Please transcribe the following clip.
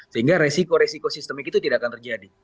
sehingga resiko resiko sistemik itu tidak akan terjadi